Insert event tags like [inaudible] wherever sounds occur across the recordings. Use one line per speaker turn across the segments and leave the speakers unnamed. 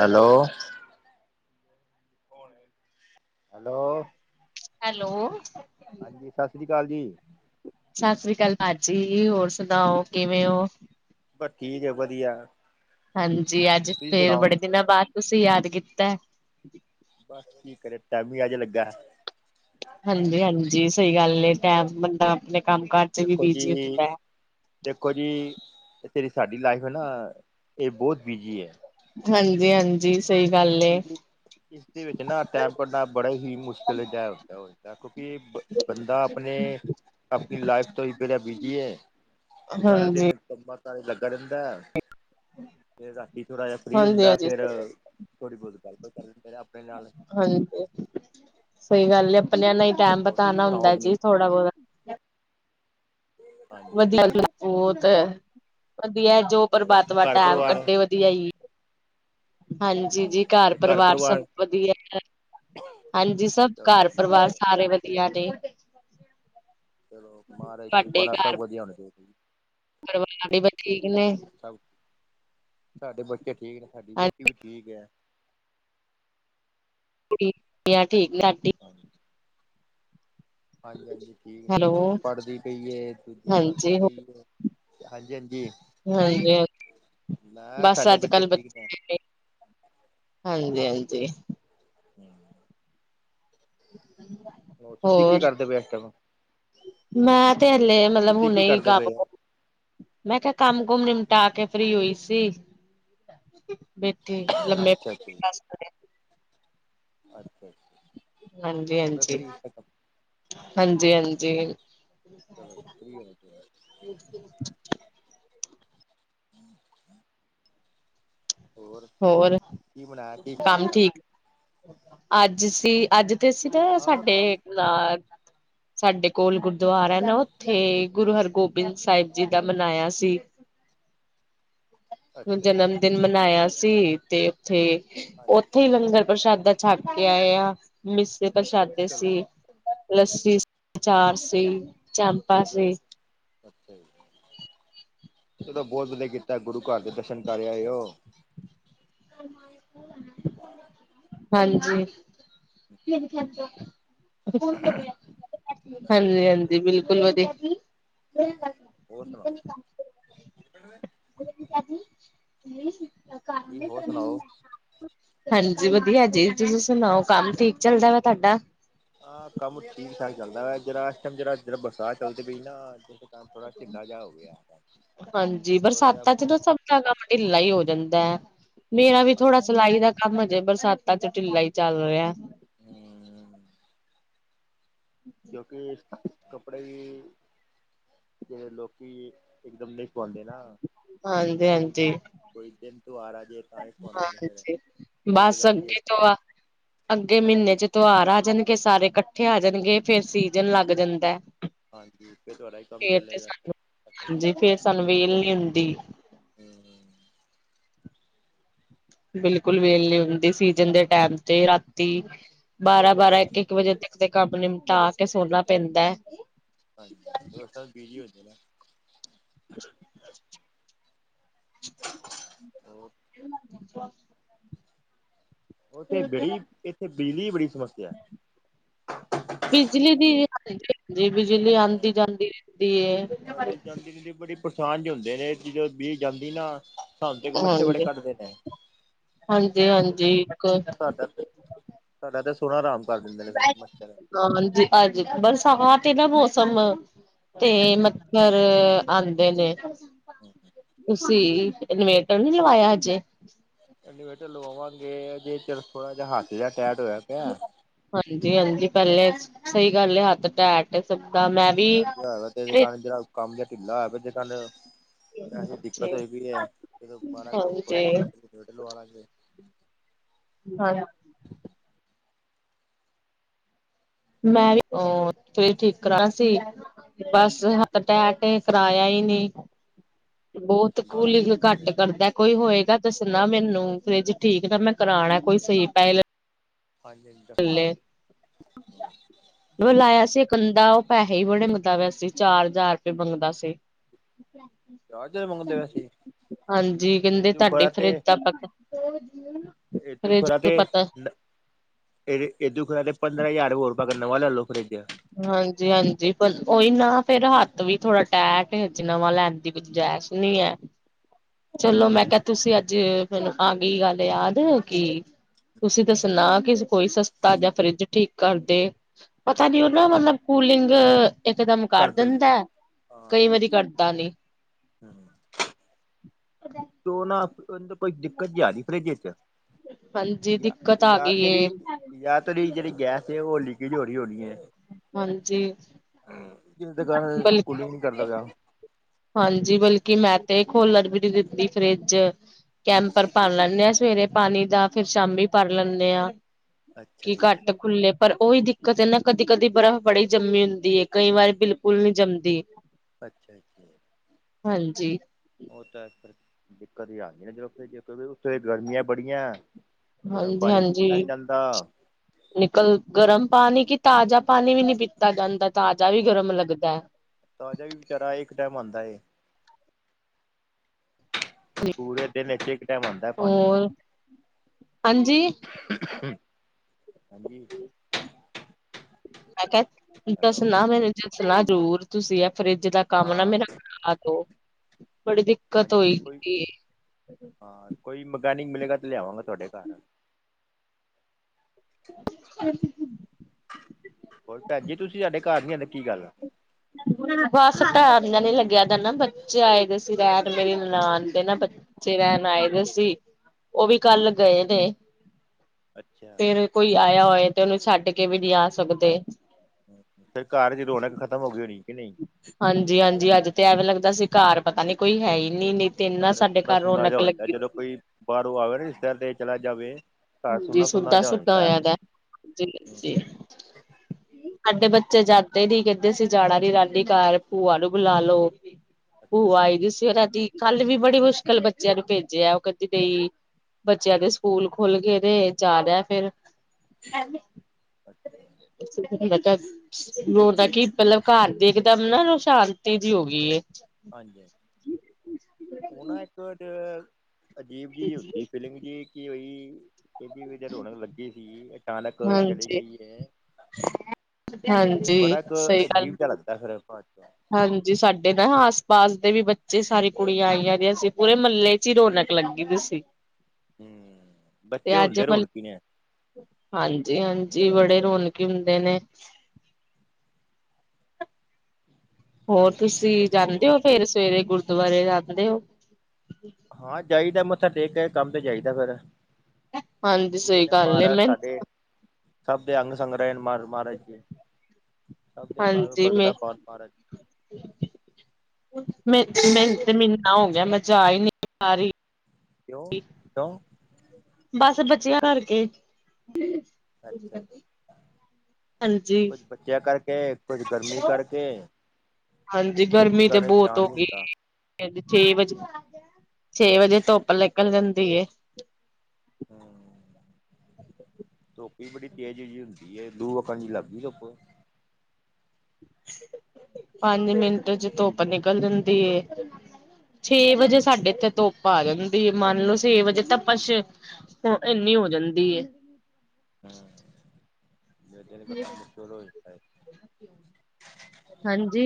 Hello. Hello.
Hello.
ਹਾਂਜੀ, ਸਸ ਸਰੀ ਅਕਾਲ ਜੀ।
ਸਸਸ੍ਰੀ ਅਕਾਲ ਭਾਜੀ, ਹੋਰ ਸੁਣਾਓ ਕਿਵੇਂ ਓ?
ਬਸ ਠੀਕ ਐ, ਵਧੀਆ।
ਹਾਂਜੀ, ਅੱਜ
ਤੁਸੀਂ
ਫੇਰ
ਸੁਣਾਓ?
ਬੜੇ ਦਿਨਾਂ ਬਾਦ ਤੁਸੀਂ ਯਾਦ ਕੀਤੈ।
ਬਸ, ਕੀ ਕਰੀਏ ਟੈਮ ਈ ਅੱਜ ਲੱਗੈ।
ਹਾਂਜੀ-ਹਾਂਜੀ, ਸਈ ਗੱਲ ਏ, ਟੈਮ ਬੰਦਾ ਅਪਨੇ ਕੰਮ ਕਾਰ 'ਚ ਵੀ
ਦੇਖੋ ਜੀ,
ਬੀਜੀ ਹੁੰਦੈ।
ਦੇਖੋ ਜੀ, ਜੇੜੀ ਸਾਡੀ ਲਾਈਫ ਐਨਾ, ਏ ਬੋਤ ਤ ਬੀਜੀ ਏ।
ਹਾਂਜੀ-ਹਾਂਜੀ। ਸਈ ਗੱਲ ਏ।
ਇਸਦੇ ਵਿੱਚ ਨਾ ਟੈਮ ਕਢਨਾ ਬੜਾ ਹੀ ਮੁਸ਼ਕਿਲ ਜੇਯਾ ਹੋਂਦਾ, ਕਿਉਂਕਿ ਬੰਦਾ ਅਪਣੇ, ਅਪਣੀ ਲਾਈਫ ਤੋਂ ਇਤਨਾ ਬੀਜੀ ਏ
ਹਾਂਜੀ।
ਤਨ ਪਤਾਏ ਲੱਗਾ ਰੇਂਦਾ ਐ ਫੇਰ‌ ਰਾਤੀ ਥੋੜਾ ਜਾ ਫ੍ਰੀ
ਹਾਂਜੀ
ਹੁੰਦਾ ਐ
ਹਾਂਜੀ
ਫੇਰ ਥੋੜੀ ਬੋਤ ਗੱਲ ਬਾਤ ਕਰ ਲੈ ਫੇਰ ਆਪੇ ਨਾਲ।
ਸਈ ਗੱਲ ਏ, ਅਪਣੇਆਂ ਨਾਲ ਈ ਟੈਮ
ਹੋਰ ਤੁਸੀਂ
ਬਤਾਣਾ
ਸੁਣਾਓ
ਹੁੰਦਾ
ਆਪਣੀ?
ਜੀ ਥੋੜਾ ਬੋਤਾ।
ਹਾਂਜੀ
ਵਧੀਆ
ਤੁਸੀਂ
ਬੋਤ, ਵਧੀਆ ਏ ਜੋ
ਹੋਰ
ਪ੍ਰਮਾਤਮਾ
ਘਰ
ਟੈਮ
ਪਰਿਵਾਰ
ਕੱਟੇ ਵਧੀਆ ਈ। ਹਾਂਜੀ ਜੀ,
ਹੂੰ
ਘਰ
ਤੇ
ਪਰਵਾਰ
ਪਰਿਵਾਰ
ਸਭ ਵਧੀਆ। ਹਾਂਜੀ, ਸਭ ਘਰ
ਵਧੀਆ ਹੋਣਾ
ਪਰਵਾਰ
ਚਾਹੀਦਾ
ਸਾਰੇ ਵਧੀਆ ਨੇ।
ਚਲੋ ਮਹਾਰਾਜ ਕਿਰਪਾ ਨਾਲ ਸਭ ਵਧੀਆ ਹੋਨੇਂ ਚਾਹੀਦੇ ਜੀ।
ਪਰਵਾਰ [unintelligible] ਠੀਕ ਨੇ।
ਸਭ, ਸਾਡੇ ਬੱਚੇ ਠੀਕ ਨੇ ਸਾਡੀ ਵੋਟੀ ਵੀ ਠੀਕ ਐ।
ਠੀਕ ਲਾਡੀ।
ਹਾਂਜੀ। ਹਾਂਜੀ ਹਾਂਜੀ ਠੀਕ ਨੇ,
ਹੈਲੋ
ਏਕ ਪੜਦੀ ਪਈ ਏ, ਦੂਜੀ ਪੜਾਂਦੀ
ਹਾਂਜੀ
ਪਈ ਏ। ਹਾਂਜੀ ਹਾਂਜੀ।
ਹਾਂਜੀ,
ਮੈਂ
ਬਸ
ਸਾਡੇ ਬੱਚੇ
ਅੱਜ-ਕੱਲ
ਠੀਕ ਨੇ
ਬੱਚੇ ਹਾਂਜੀ ਹਾਂਜੀ।
ਹੂੰ।
[unintelligible]
ਹੋਰ, ਤੁਸੀ ਕੀ ਕਰਦੇ ਪਏ ਏਸ ਟੈਮ?
ਮੈਂ ਤੇ ਹੱਲੇ ਮਲਬ
ਤੁਸੀਂ ਕੀ
ਹੁਣੇ ਈ
ਕਰਦੇ
ਕੱਮ
ਪਏ ਹੋ
ਮੈਂ ਕੇਯਾ ਕੰਮ-ਕੁਮ ਨਿਮਟਾ ਕੇ ਫ੍ਰੀ ਹੋਈ ਸੀ। ਬੇਠੀ ਲੰਮੇ
ਅੱਛਾ
ਪੈ
ਜੀ
ਦੱਸ ਵਜੇ।
ਅੱਛਾ ਅੱਛਾ।
ਹੰਜੀ
ਹੋ ਗਏ
ਹੰਜੀ,
ਫ੍ਰੀ ਚਲੋ
ਹੰਜੀ ਹੰਜੀ।
ਚਲੋ ਠੀਕ ਐ।
[unintelligible] ਹੋਰ,
ਕੀ ਬਣਾਇਆ ਕੀ ਖਾਇਆ
ਕੰਮ
ਦੱਸ
ਠੀਕ? ਅੱਜ ਸੀ, ਅੱਜ ਤੇ ਅਸੀ ਨਾ
ਹਾਂ
ਸਾਡੇ
ਕੰਮ
ਨਾ ਸਾਡੇ ਕੋਲ ਗੁਰਦੁਆਰਾ ਐ ਨਾ ਓਥੇ ਗੁਰੂ ਹਰਗੋਬਿੰਦ ਸਾਹਿਬ ਜੀ ਦਾ ਮਨਾਏਆ ਸੀ। ਹੁਨ
ਅੱਛਾ ਜੀ
ਜਨਮਦਿਨ ਮਨਾਏਆ ਸੀ ਤੇ ਓਥੇ
ਹਾਂਜੀ
ਓਥੇ ਈ ਲੰਗਰ ਪ੍ਰਸ਼ਾਦਾ ਛੱਡ ਕੇ ਆਏ ਆਂ, ਮਿੱਸੇ ਪ੍ਰਸ਼ਾਦੇ
ਚਲੋ
ਸੀ। ਲੱਸੀ, ਅਚਾਰ ਸੀ। ਚਾਂਪਾ
ਚਲੋ
ਸੀ
ਚਲੋ, ਅੱਛਾ ਜੀ, ਚਲੋ ਬੋਤ ਵਧੀਆ ਕੀ ਤਾ ਗੁਰੂ ਘਰ ਦੇ ਦਰਸ਼ਨ ਕਰ ਆਏ ਔ।
ਹਾਂਜੀ। ਹਾਂਜੀ ਹਂ ਜੀ ਬਿਲਕੁਲ ਵਧੀ
ਹੋਰ ਸੁਣਾਓ। ਹਾਂਜੀ ਹੋਰ ਸੁਣਾਓ
ਹਾਂਜੀ, ਵਧੀਆ ਜੀ ਤੁਸੀ ਸੁਣਾਓ ਕੰਮ ਠੀਕ ਚੱਲਦਾ ਪੇਯਾ ਤਾਡਾ?
ਆ, ਕੰਮ ਠੀਕ ਠਾਕ ਚੱਲਦਾ ਵੇਆ ਜਰਾ, ਏਸ ਟੈਮ ਜਰਾ ਬਰਸਾਤ ਚੱਲਦੀ ਪਈ ਨਾ। ਕਮ ਥੋੜਾ ਢਿਲਾ ਜਾ ਹੋ ਗੇਆ ਦਾ।
ਹਾਂਜੀ
ਥੋੜਾ ਜਾ
ਬਰਸਾਤਾਂ ਚ ਤਾਂ ਸਭ ਕੰਮ ਢਿੱਲਾ ਈ ਹੋ ਜਾਂਦਾ ਐ। ਮੇਰਾ ਵੀ ਥੋੜਾ ਸਿਲਾਈ ਦਾ ਕੰਮ ਹਜੇ ਬਰਸਾਤਾਂ ਚ ਢਿਲਾ ਈ ਚੱਲ ਰੇਐ।
ਹੂੰ। ਕਿਉਂਕਿ ਕੱਪੜੇ ਈ ਜਿਹੜੇ ਲੋਕੀ ਇਕ ਦਮ ਨਹੀਂ ਪਾਉਂਦੇ ਨਾ
ਹਾਂਜੀ
ਕੋਈ
ਹਾਂਜੀ
ਕੋਈ ਦਿਨ ਤੂੰਆਰ ਆਜੇ
ਹਾਂਜੀ ਬਸ
ਕਰਕੇ
ਅਗੇ ਤੋਂ ਆ ਅੱਗੇ ਮਹੀਨੇ ਚ ਤਿਉਹਾਰ ਆ ਜਾਨਗੇ ਸਾਰੇ ਇਕੱਠੇ ਆ ਜਾਨਗੇ ਫੇਰ ਸੀਜਨ ਲੱਗ ਜਾਂਦਾ
ਹਾਂਜੀ ਫਿਰ ਤੁਹਾਡਾ ਹੀ ਕੰਮ
ਫੇਰ ਤੇ
ਚੱਲੇਗਾ
ਸਾੰਨੂ
ਕੰਮ
ਹਾਂਜੀ
ਚੱਲ
ਫੇਰ ਸਾਨੂੰ ਵੇਲ ਨੀ ਹੁੰਦੀ
ਹਮ
ਬਿਲਕੁਲ ਵੇਲ ਨੀ ਹੁੰਦੀ ਸੀਜਨ ਦੇ ਟੈਮ ਤੇ ਰਾਤੀ ਬਾਰਾਂ-ਬਾਰਾਂ ਇੱਕ-ਇੱਕ ਵਜੇ ਤੱਕ ਦੇ ਕੰਮ ਨਿਪਟਾ ਕੇ ਸੋਨਾ ਪੈਂਦਾ ਐ
ਹਾਂਜੀ ਉਸ ਟੈਮ ਬਿਜੀ ਹੁੰਦੇ ਨਾ ਹੋਰ
[unintelligible]
ਉੱਥੇ ਬਿਜਲੀ ਇੱਥੇ ਬਿਜਲੀ ਦੀ ਬੜੀ ਸਮੱਸਿਆ ਐ
ਬਿਜਲੀ ਦੀ
ਹੈਲੋ
[unintelligible] ਬਿਜਲੀ ਆਉਂਦੀ ਜਾਂਦੀ ਰੈਹੰਦੀ ਏ
ਹਾਂਜੀ, ਜਾਂਦੀ ਨੀ ਤੇ ਬੜੀ ਪਰੇਸ਼ਾਨ ਜੇ ਹੁੰਦੇ ਨੇ ਜਦੋਂ ਬਿ ਜਾਂਦੀ ਨਾ ਸਾਨੂੰ ਤੇ ਏਕ ਮਛਰ ਬੜੇ
ਹਾਂਜੀ।
ਕੱਟਦੇ ਨੇ ਸਾਡਾ ਤੇ,
ਹਾਂਜੀ-ਹਾਂਜੀ ਇੱਕ
ਸਾਡਾ ਤੇ ਸਾਡਾ ਤਾਂ ਸੋਣਾ ਹਰਾਮ ਕਰ ਦਿੰਦੇ ਨੇ ਮੱਛਰ
ਹਾਂਜੀ ਅੱਜ ਬਰਸਾਤ ਤੇ ਨਾ ਮੌਸਮ ਤੇ ਮ ਫੇਰ ਆੰਦੇ ਨੇ
[unintelligible]
ਤੁਸੀਂ ਇਨਵੇਟਰ ਨੀ ਲਵਾਇਆ ਹਜੇ
ਇੰਨਵੇਟਰ ਲਵਾਵਾਂਗੇ ਜੇ ਚਿਰ ਥੋੜਾ ਜਿਹਾ ਹੱਥ ਜਿਹਾ ਟੈਟ ਹੋਇਆ ਪੇਆ
ਹਾਂਜੀ ਹਾਂਜੀ ਪਹਿਲੇ ਸਹੀ ਗੱਲ ਏ ਹੱਥ ਟੈਟ ਇਹ ਸਭ ਕਾ
ਹਜੇ ਚਾਰ [unintelligible] ਦੁਕਾਨ ਜਿਹੜਾ ਕੰਮ ਜਹਾ ਢਿੱਲਾ ਹੋਆ ਪਿਆ ਜਿਕਨ ਐਸੀ ਦਿੱਕਤ ਹੋਈ
ਹਾਂਜੀ-ਹਾਂਜੀ।
ਪਈ ਏ ਮਾੜਾ ਕੰਮ ਖੁੱਲ ਜਾਏਗਾ ਫਿਰ ਇਨਵਰਟਰ ਲਵਾ ਲਾਂਗੇ
ਹਾਂ [unintelligible] ਮੈਂ ਵੀ ਉਹ ਫਰਿਜ ਠੀਕ ਕਰਾਨਾ ਸੀ ਬਸ ਕਟੈਟ
ਅੱਛਾ ਜੀ
ਕਰਾਇਆ ਈ ਨਹੀਂ ਬਹੁਤ
ਬਸ
ਕੂਲਿੰਗ
ਠੀਕ
ਘੱਟ
ਹੈ।
ਕਰਦਾ ਕੋਈ ਹੋਏਗਾ ਦੱਸਣਾ ਮੈਨੂੰ ਫਰਿਜ ਠੀਕ ਨਾ ਮੈਂ ਕਰਾਣਾ ਕੋਈ ਸਹੀ ਪੈਹੇ
ਹਾਂਜੀ ਹਾਂਜੀ ਦੱਸਾਂ
ਮਲੇ ਬੂਲਾਇਆ ਸੀ ਬੰਦਾ ਉਹ ਪੈਹੇ ਹੀ ਬੜੇ ਮੰਗਦਾ ਪੇਆ ਸੀ ਚਾਰ ਹਜ਼ਾਰ ਰੁਪਏ ਮੰਗਦਾ ਸੀ ਹਾਂਜੀ, ਕਹਿੰਦੇ ਤੁਹਾਡੇ ਫਰਿੱਜ ਦਾ ਆਪ ਹੋਦੀ [unintelligible]
ਇਹ ਤੂੰ ਖਰਾ ਤੇ ਇਹ ਦੁ ਖਰਾ ਤੇ ਪੰਦਰਾਂ ਹਜ਼ਾਰ ਹੋਰ ਪਾ ਕੇ ਨਵਾ ਲੈ ਲਓ ਫਰਿੱਜ
ਹਾਂਜੀ-ਹਾਂਜੀ ਪਰ ਉਹੀ ਨਾ ਫੇਰ ਹੱਥ ਵੀ ਥੋੜਾ ਟੈਟ ਏ ਹਜੇ ਨਵਾਂ ਲੈਂਨ ਦੀ ਗੂਜਾਇਸ਼ ਨੀ ਐ
[inaudible]
ਚਲੋ ਮੈਂ ਕਿਹਾ ਤੁਸੀਂ ਅੱਜ ਮੈਨੂੰ ਆ ਗਈ ਗੱਲ ਯਾਦ ਕਿ ਤੁਸੀਂ ਦੱਸਨਾ ਕਿ ਕੋਈ ਸਸਤਾ ਜੇਆ ਫਰਿੱਜ ਠੀਕ ਕਰਦੇ ਪਤਾ ਨੀ ਉਹ ਨਾ ਮਤਲਬ ਕੂਲਿੰਗ ਇਕ ਦਮ ਕਰ ਦੇੰਦਾ ਕਈ ਵਾਰੀ ਕਰਦਾ ਨੀ
ਹਮ
ਅ [inaudible]
ਦੋਨਾ ਕੋਈ ਦਿੱਕਤ ਜੀ ਆਰੀ ਫਰਿਜ ਵਿੱਚ,
ਹਾਂਜੀ ਦਿੱਕਤ ਆ
ਯਾ
ਗਈ ਏ।
ਤੇਰੀ ਯਾ ਤੇਰੀ ਜੇੜੀ ਗੈਸ ਏ ਉ ਲੀਕੇਜ ਹੋ ਰਈ ਹੋਨੀ ਏ।
ਹਾਂਜੀ।
ਹੂੰ, ਦੁਕਾਨ
ਬਲਕਿ
ਕੂਲਿੰਗ ਨੀ ਕਰਦਾ ਪਿਆ।
ਹਾਂਜੀ, ਬਲਕਿ ਮੈਂ ਤੇ ਖੋਲਨ ਵੀ ਨੀ ਦਿਂਦੀ ਫਰਿਜ। ਕੈਂਪਰ ਭਰ ਲੈਂਨੇ ਆਂ ਸਵੇਰੇ ਪਾਨੀ ਦਾ, ਫੇਰ ਸ਼ਾਮੀ ਭਰ ਲੈਂਨੇ ਆਂ।
ਅੱਛਾ
ਕੀ
ਜੀ
ਘੱਟ ਖੁੱਲੇ, ਪਰ ਉਈ ਦਿੱਕਤ ਏਨਾ, ਕਦੀ-ਕਦੀ ਬਰਫ਼ ਬੜੀ ਜੰਮੀ ਹੁੰਦੀ ਏ, ਕਈ ਵਾਰੀ ਬਿਲਕੁਲ ਨਈ ਜੰਮਦੀ।
ਅੱਛਾ-ਅੱਛਾ।
ਹਾਂਜੀ।
ਉ ਤਾ ਐ, ਦਿੱਕਤ ਵੀ ਆਂਦੀ ਨਾ ਜਦੋ ਫਰੀਜਰ, ਉਹੋ ਏ ਗਰਮੀਆਂ ਬੜੀਆਂ। ਗਰਮ
ਹਾਂਜੀ,
ਪਾਣੀ ਪੀਤਾ
ਹਾਂਜੀ।
ਨੀ ਜਾਂਦਾ।
ਨਿਕਲ, ਗਰਮ ਪਾਨੀ ਕਿ ਤਾਜ਼ਾ ਪਾਨੀ ਵੀ ਨੀ ਪੀਤਾ ਜਾਂਦਾ, ਤਾਜ਼ਾ ਵੀ
ਹਾਂ
ਗਰਮ ਲੱਗਦੈ।
ਤਾਜ਼ਾ ਵੀ ਵਿਚਾਰਾ, ਏਕ ਟੈਮ ਆਂਦਾ ਏ। ਪੂਰੇ ਦਿਨ ਇਚ ਏਕ ਟੈਮ ਆਂਦਾ ਏ ਪਾਨੀ।
ਹੋਰ ਹਾਂਜੀ!
ਹਾਂਜੀ।
[inaudible] ਮੈਂ ਕਿਆ,
ਹੈਲੋ
ਦੱਸਨਾ ਮੈਨੂੰ ਦੱਸਨਾ ਜ਼ਰੂਰ ਤੁਸੀ ਐ ਫਰਿੱਜ ਦਾ ਕੰਮ ਨਾ
ਹਾਂ
ਮੇਰਾ ਕਰਾਦੋ, ਬੜੀ ਦਿਕ
ਹਾਂਜੀ ਕੋਈ, ਹਾਂ ਕੋਈ ਮਕੈਨਿਕ ਮਿਲੇਗਾ ਤੇ ਲਿਆਵਾਂਗਾ ਤੁਹਾਡੇ ਘਰ।
[unintelligible]
ਹੋਰ ਭੈਨ ਜੀ, ਤੁਸੀਂ ਸਾਡੇ ਘਾਰ ਨੀ ਆਂਦੇ ਕੀ ਗੱਲ?
ਬਸ ਟੈਮ ਨੇ ਲੱਗਿਆ ਜਾਂਦਾ ਨਾ, ਬੱਚੇ ਆਏਦੇ ਸੀ ਰੈਣ ਲਈ ਨਨਾਣ ਦੇ ਨਾ ਬ ਚੇ ਰੈਨ ਆਏ ਦੇ ਸੀ, ਉ ਵੀ ਕੱਲ ਗਏ ਨੇ।
ਅੱਛਾ
ਫੇਰ ਕੋਈ ਆਇਆ ਹੋਏ, ਤੇ ਉਨੂੰ ਛੱਡਕੇ ਵੀ ਨੀ ਆ ਸਕਦੇ।
ਫੇਰ ਘਾਰ ਚ ਰੋਨਕ ਖ਼ਤਮ ਹੋ ਗਈ ਹੋਨੀ, ਕੇ ਨਈ?
ਹਾਂਜੀ-ਹਾਂਜੀ, ਅੱਜ ਤੇ ਐਵੇਂ ਲੱਗਦਾ ਸੀ ਘਾਰ ਪਤਾ ਨੀ ਕੋਈ ਹੈਈ ਨੀ। ਨੀਂ
ਘਾਰ ਸੁੰਨਾ-ਸੁੰਨਾ ਜਾ ਹੋ ਜਾਂਦਾ, ਜਦੋਂ ਕੋਈ ਬਾਰੋਂ ਆਵੇ ਨਾ ਰਿਸ਼ਤੇਦਾਰ ਤੇ ਚਲਾ ਜਾਵੇ ਘਾਰ
ਜੀ
ਸੁੰਨਾ-ਸੁੰਨਾ
ਸੁੱਦਾ
ਜਾ ਹੋ
ਸੁੱਦਾ
ਜਾਂਦੈ।
ਹੋਇਆ ਦਾ ਜੀ, ਜੀ। ਸਾਡੇ ਬੱਚੇ ਜਾਂਦੇ ਨੀ ਕੈਂਦੇ ਅਸੀਂ ਜਾਨਾ ਨੀ ਨਾਨੀ ਘਾਰ, ਭੂਆ ਨੂੰ ਬੁਲਾਲੋੋ।
ਅੱਛਾ
ਭੂਆ
ਜੀ
ਆਈਦੀ ਸੀ ਓਨਾਂ ਦੀ। ਕੱਲ ਵੀ ਬੜੀ ਮੁਸ਼ਕਲ ਬੱਚਿਆਂ ਨੂੰ ਭੇਜਿਆ, ਉ ਕੈਂਦੀ ਨਈ, ਬੱਚਿਆਂ ਦੇ ਸਕੂਲ ਖੁੱਲਗੇ ਨੇ ਜਾਨਾ ਫੇਰ
ਅੱਛਾ।
ਕਿਸੀ ਦੀ ਮਦ ਰੋਨਕ ਕਿ, ਮਤਲਬ ਘਾਰ ਦੀ ਇੱਕਦਮ ਨਾ ਸ਼ਾਂਤੀ ਜੀ ਹੋਗੀਏ।
ਹਾਂਜੀ-ਹਾਂਜੀ, ਉਹ ਨਾ ਇੱਕ ਡ ਅਜੀਬ ਜੀ ਹੁੰਦੀ ਫੀਲਿੰਗ ਜੀ, ਕੀ ਵਈ ਇਨੀ ਵਧੀਆ ਰੌਣਕ ਲੱਗੀ ਸੀ ਅਚਾਨਕ ਚਲੀ
ਹਾਂਜੀ
ਗਈ ਏ। ਏ
ਹਾਂਜੀ
ਬੜਾ ਕ
ਸਹੀ ਗੱਲ
ਅਜੀਬ ਜਾ ਲੱਗਦਾ ਫੇਰ ਬਾਦ ਚੋ।
ਹਾਂਜੀ, ਸਾਡੇ ਨਾ ਆਸ-ਪਾਸ ਦੇ ਵੀ ਬੱਚੇ ਸਾਰੀ ਕੁੜੀਆਂ ਆਈਆਂ ਦੀਆਂ ਸੀ, ਪੂਰੇ ਮਲੇ ਫਿਰ ਰੌਣਕ ਲੱਗੀ ਦੀ ਸੀ।
ਹੂੰ, ਬੱਚੇ
ਤੇ ਅੱਜ
ਹੁੰਦੇ
ਮਲ
ਰੋਣਕੀ ਨੇ।
ਹਾਂਜੀ-ਹਾਂਜੀ, ਬੜੇ ਰੌਣਕੀ ਹੁੰਦੇ ਨੇ। ਹੋਰ ਤੁਸੀ ਜਾਂਦੇ
ਹੋਰ
ਔ, ਫ਼ੇਰ ਸਵੇਰੇ ਗੁਰਦੁਆਰੇ ਜਾਂਦੇ ਔ।
ਹਾਂ ਜਾਈਦਾ, ਮੱਥਾ ਟੇਕ ਕੇ ਕੰਮ ਤੇ ਜਾਈਦਾ ਫਿਰ।
ਹਾਂਜੀ
ਅਸੀਂ
ਸਹੀ
ਕਹਿੰਨੇ
ਗੱਲ ਏ
ਮਹਾਰਾਜ
ਮੈਂ
ਸਾਡੇ, ਸਭ ਦੇ ਅੰਗ-ਸੰਗ ਰਹਿਣ ਮ ਮਹਾਰਾਜ ਜੀ। ਸਭ ਦੇ
ਹੁਣ
ਘਰ
ਜਿਵੇਂ।
ਬਰਕਤਾਂ ਪਾਉਣ ਮਹਾਰਾਜ
ਮ ਮੈਂਨੂੰ ਤੇ ਮਹੀਨਾ ਹੋ ਗਿਆ, ਮੈਂ ਜਾ ਈ ਨੀ ਪਾ ਰੀ।
ਕਿਉਂ-ਕਿਉਂ।
ਬਸ ਬੱਚਿਆਂ ਕਰਕੇ।
ਅੱਛਾ।
ਹਾਂਜੀ
ਕੁੱਝ ਬੱਚਿਆ ਕਰਕੇ, ਕੁੱਝ ਗਰਮੀ ਕਰਕੇ।
ਹਾਂਜੀ,
ਜਿਸਦੇ
ਗਰਮੀ ਤੇ
ਕਾਰਨ
ਬਹੁਤ
ਧਿਆਨ ਨਹੀਂ
ਹੋਗੀ‌
ਹੁੰਦਾ
ਏਂ। ਛੇ ਵਜ਼ੇ, ਛੇ ਵਜ਼ੇ ਧੁੱਪ ਨਿਕਲ ਜਾਂਦੀ ਏ।
ਹੂੰ। ਧੁੱਪ ਈ ਬੜੀ ਤੇਜ਼ ਜਿ ਹੁੰਦੀ ਏ, ਦੁਰੋ ਹੀ ਅੱਖਾਂ'ਚ ਲੱਗਦੀ ਏ ਧੁੱਪ।
ਪੰਜ ਮਿੰਟ'ਚ ਧੁੱਪ ਨਿਕਲ ਜਾਂਦੀ ਏ। ਛੇ ਵਜ਼ੇ ਸਾਡੇ ਏਥੇ ਧੁੱਪ ਆ ਜਾਂਦੀ ਏ, ਮੰਨ ਲਓ ਛੇ ਵਜ਼ੇ ਤੱਪਛ ਏਨੀਂ ਹੋ ਜਾਂਦੀ ਏ।
ਹੂੰ [unintelligible] ਮੁਸ਼ਕਿਲ ਹੋ ਜਾਂਦਾ ਏ।
ਹਾਂਜੀ।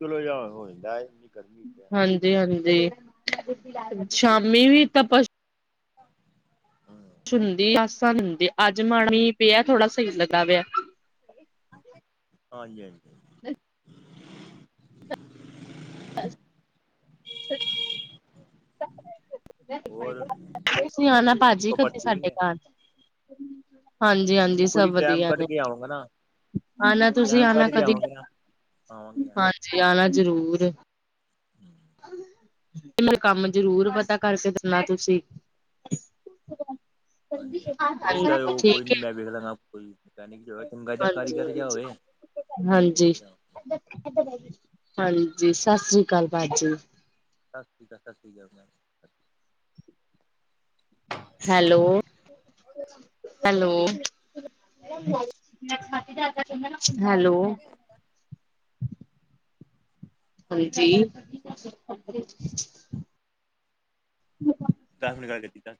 [unintelligible] ਹਾਲ ਹੋ ਜਾਂਦਾ ਏ, ਏਨੀ ਗਰਮੀਂ ਚ
ਹਾਂਜੀ-ਹਾਂਜੀ, ਸ਼ਾਮੀਂ ਵੀ ਤੱਪਛ
ਹੂੰ।
ਹੁੰਦੀ ਆਸਾਂ ਹੁੰਦੀ, ਅੱਜ ਮਾੜਾ ਮੀਂਹ ਪਿਆ, ਥੋੜਾ ਸਹੀ ਲੱਗਦਾ ਪਿਆ।
ਹਾਂਜੀ-ਹਾਂਜੀ।
[inaudible] [unintelligible]
[inaudible] ਹੋਰ
ਤੁਸੀਂ ਆਨਾ
ਮੰਮੀ
ਭਾਜੀ,
ਪਾਪਾ
ਕਦੀ
ਠੀਕ
ਸਾਡੇ
ਨੇ
ਘਰ। ਹਾਂਜੀ-ਹਾਂਜੀ,
ਦੇਖੋ
ਸਭ
ਜੀ ਟੈਮ
ਵਧੀਆ
ਕੱਢ
ਨੇ।
ਕੇ ਆਵਾਂਗਾ ਨਾ
ਆਣਾ ਤੁਸੀਂ
ਟੈਮ
ਆਣਾ
ਕੱਢ ਕੇ
ਕਦੀ,
ਆਵਾਂਗੇ ਨਾ ਆਵਾਂਗੇ ਆਵਾਂਗੇ
ਹਾਂਜੀ ਆਣਾ ਜ਼ਰੂਰ।
ਹੂੰ।
ਮੈਨੂੰ ਕੰਮ ਜ਼ਰੂਰ ਪਤਾਂ ਕਰਕੇ ਦੇਣਾ ਤੁਸੀਂ।
ਫਿਰ ਏਦਾਂ
ਹਾਂਜੀ,
ਉਹ ਕੋਈ
ਠੀਕ ਏ।
ਨੀ ਮੈਂ ਵੇਖ ਲਾਂਗਾ ਕੋਈ ਮੈਨਿਕ
ਹਾਂਜੀ-ਹਾਂਜੀ, ਹਾਂਜੀ। ਹਾਂਜੀ, ਸਤਿ ਸ੍ਰੀ ਅਕਾਲ ਭਾਜੀ।
ਸਤਿ ਸ਼੍ਰੀ ਅਕਾਲ, ਸਤਿ ਸ਼੍ਰੀ ਅਕਾਲ ਭੈਣ।
ਹੈਲੋ-ਹੈਲੋ। ਹੈਲੋ। ਹਾਂਜੀ।
ਕੰਮ ਰਿਕਾਡਿੰਗ ਕੀਤਾ।